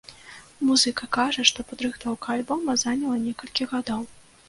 Музыка кажа, што падрыхтоўка альбома заняла некалькі гадоў.